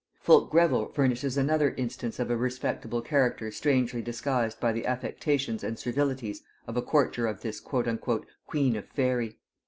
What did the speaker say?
Fulke Greville furnishes another instance of a respectable character strangely disguised by the affectations and servilities of a courtier of this "Queen of Faery."